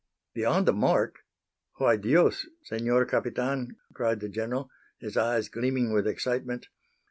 "Beyond the mark! Why, Dios, Senor Capitan!" cried the General, his eyes gleaming with excitement.